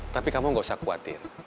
tapi kamu gak usah khawatir